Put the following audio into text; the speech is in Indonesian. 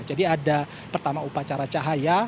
jadi ada pertama upacara cahaya